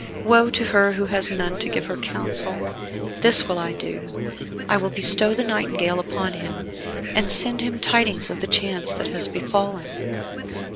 Woe to her who has none to give her counsel. This I will do. I will bestow the nightingale upon him, and send him tidings of the chance that has befallen."